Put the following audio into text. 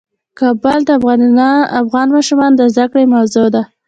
کابل د افغان ماشومانو د زده کړې موضوع ده.